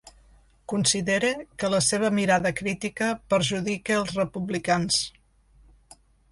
Considera que la seva mirada crítica ‘perjudica els republicans’.